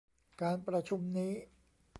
การประชุมนี้